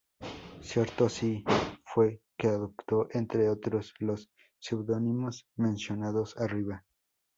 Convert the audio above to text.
Cierto sí, fue que adoptó, entre otros, los seudónimos mencionados arriba.